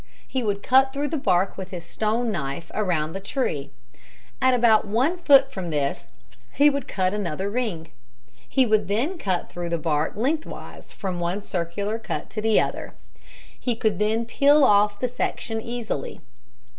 He would cut through the bark with his stone knife around the tree. At about one foot from this he would cut another ring. He then would cut through the bark lengthwise from one circular cut to the other. He could then peel off the section easily.